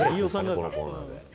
このコーナーで。